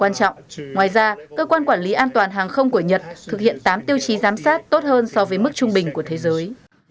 ngoài ra cơ quan quản lý an toàn hàng không của nhật thực hiện tám tiêu chí giám sát tốt hơn so với mức trung bình của thế giới